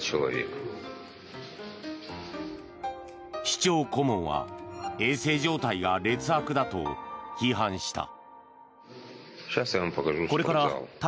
市長顧問は衛生状態が劣悪だと批判した。